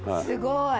すごい。